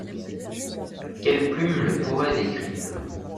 Quelle plume le pourrait décrire!